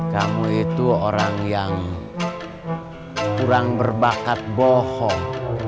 kamu itu orang yang kurang berbakat bohong